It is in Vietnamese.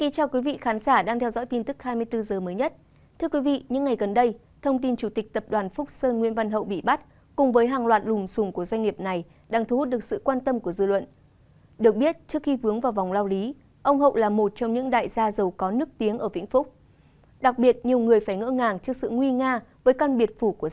các bạn hãy đăng ký kênh để ủng hộ kênh của chúng mình nhé